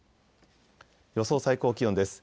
予想最高気温です。